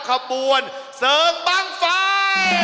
ขบวนเสริมบ้างไฟ